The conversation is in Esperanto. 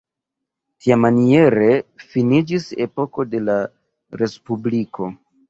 Tiamaniere finiĝis epoko de la respubliko.